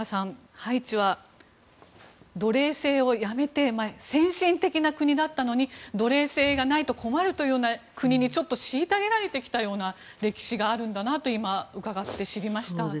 ハイチは奴隷制をやめて先進的な国だったのに奴隷制がないと困るという国に虐げられてきたような歴史があるんだなと今、伺って知りました。